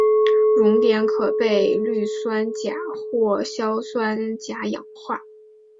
熔点时可被氯酸钾或硝酸钾氧化。